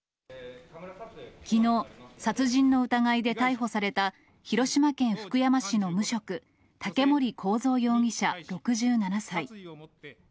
きのう、殺人の疑いで逮捕された広島県福山市の無職、竹森幸三容疑者６７歳。